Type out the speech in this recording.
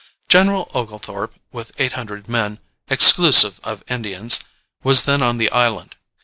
General Oglethorpe, with eight hundred men, exclusive of Indians, was then on the island.